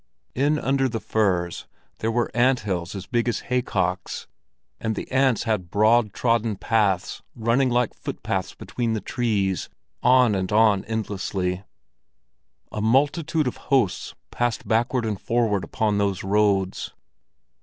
In under the firs there were anthills as big as haycocks, and the ants had broad trodden paths running like foothpaths between the trees, on and on endlessly; a multitude of hosts passed backward and forward upon those roads.